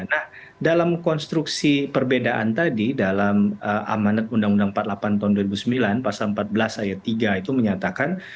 nah dalam konstruksi perbedaan tadi dalam amanat undang undang empat puluh delapan tahun dua ribu sembilan pasal empat belas ayat tiga itu menyatakan